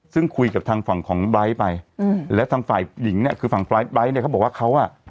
ซึ่งคุยกับทางฝั่งของไลท์ไปอืมแล้วทางฝ่ายหญิงเนี่ยคือฝั่งไฟล์ไลท์เนี่ยเขาบอกว่าเขาอ่ะ